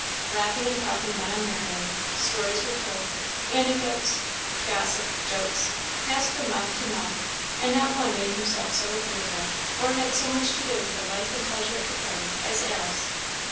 Laughing and talking went on merrily; stories were told; anecdotes, gossip, jokes, passed from mouth to mouth; and not one made himself so agreeable, or had so much to do with the life and pleasure of the party, as Alice.